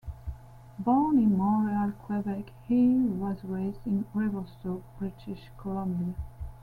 Born in Montreal, Quebec, he was raised in Revelstoke, British Columbia.